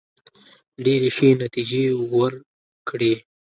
ډېري ښې نتیجې وورکړې.